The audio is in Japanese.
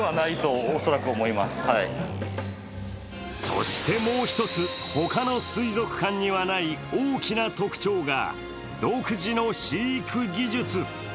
そしてもう一つ、他の水族館にはない大きな特徴が独自の飼育技術。